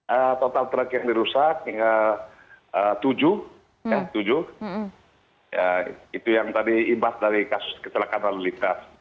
atau tak terakhir dirusak hingga tujuh tujuh itu yang tadi ibadah dari kasus kecelakaan lalu lintas